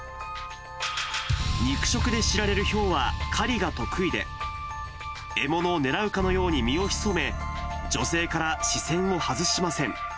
肉食で知られるヒョウは、狩りが得意で、獲物を狙うかのように身を潜め、女性から視線を外しません。